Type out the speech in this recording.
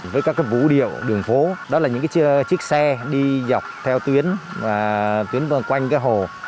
với các vũ điệu đường phố đó là những chiếc xe đi dọc theo tuyến và tuyến quanh hồ